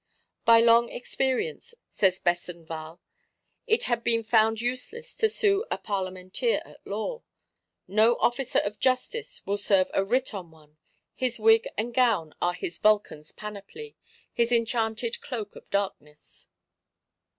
By long experience, says Besenval, it has been found useless to sue a Parlementeer at law; no Officer of Justice will serve a writ on one; his wig and gown are his Vulcan's panoply, his enchanted cloak of darkness.